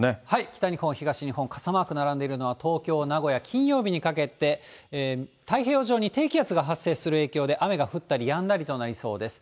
北日本、東日本、傘マーク並んでいるのは、東京、名古屋、金曜日にかけて、太平洋上に低気圧が発生する影響で、雨が降ったりやんだりとなりそうです。